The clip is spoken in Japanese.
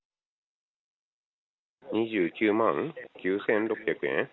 ２９万９６００円？